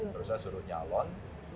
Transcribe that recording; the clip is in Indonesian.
terus saya suruh nyalon